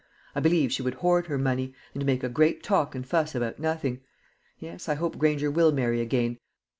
I believe she would hoard her money, and make a great talk and fuss about nothing. Yes, I hope Granger will marry again.